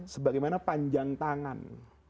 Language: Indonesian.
sebagaimana panjang tangan